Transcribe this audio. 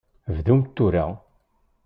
Bdumt tura!